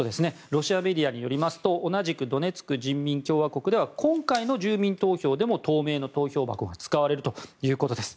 ロシアメディアによりますと同じくドネツク人民共和国では今回の住民投票でも透明の投票箱が使われるということです。